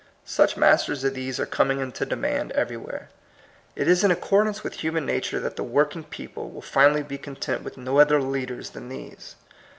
Such masters as these are com ing into demand everywhere. It is in ac cordance with human nature that the work ing people will finally be content with no other leaders than these.